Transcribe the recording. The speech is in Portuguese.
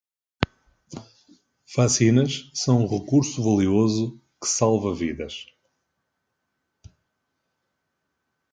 Vacinas são um recurso valioso que salva vidas